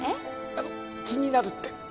あの「気になる」って